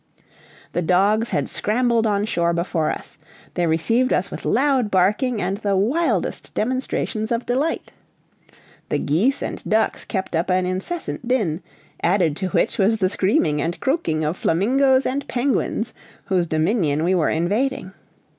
The dogs had scrambled on shore before us; they received us with loud barking and the wildest demonstrations of delight. The geese and ducks kept up an incessant din, added to which was the screaming and croaking of flamingoes and penguins, whose dominion we were invading.